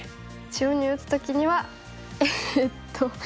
中央に打つ時にはえっと斜めに。